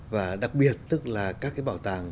và đặc biệt tức là các cái bảo tàng